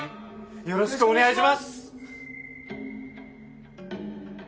よろしくお願いします！